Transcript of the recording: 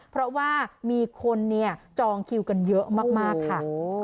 เพราะว่ามีคนจองคิวกันเยอะมากค่ะ